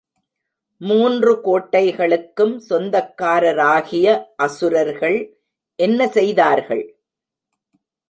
மூன்று கோட்டைகளுக்கும் சொந்தக்காரராகிய அசுரர்கள் என்ன செய்தார்கள்?